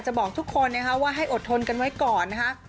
จะบอกทุกคนว่าให้อดทนกันไว้ก่อนนะครับ